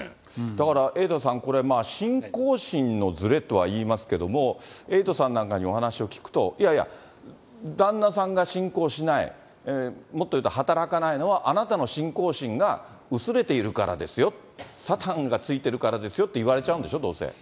だからエイトさん、これ、信仰心のずれとは言いますけれども、エイトさんなんかにお話を聞くと、いやいや、旦那さんが信仰しない、もっというと働かないのはあなたの信仰心が薄れているからですよ、サタンがついてるからですよって言われちゃうんでしょ、どうせ。